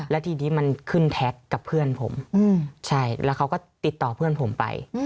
แล้วทีนี้มันขึ้นแท็กกับเพื่อนผมใช่แล้วเขาก็ติดต่อเพื่อนผมไป